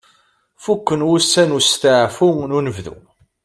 Fukken wussan n usteɛfu n unebdu.